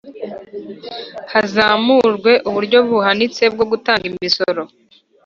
hazamurwe uburyo buhanitse bwo gutanga imisoro